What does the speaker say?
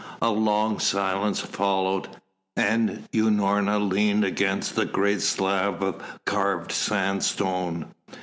A long silence followed, and Unorna leaned against the great slab of carved sandstone.